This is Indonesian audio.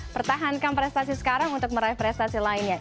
pertahankan prestasi sekarang untuk meraih prestasi lainnya